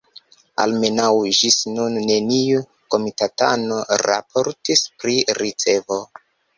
Almenaŭ ĝis nun neniu komitatano raportis pri ricevo.